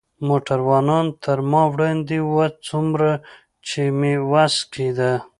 موټروانان تر ما وړاندې و، څومره چې مې وس کېده.